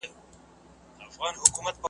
غږ د چا نۀ اورمه، مخ چاپېر چاپېر اړووم